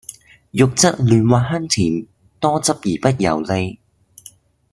肉質嫩滑香甜，多汁而不油膩